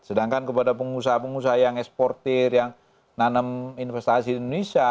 sedangkan kepada pengusaha pengusaha yang eksportir yang nanam investasi di indonesia